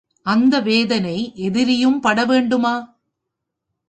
அந்த வேதனை எதிரியும் படவேண்டுமா?